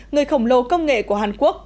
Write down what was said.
người khổng lồ công nghệ của hàn quốc